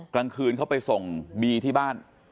กลางคืนเขาไปส่งบีที่บ้าน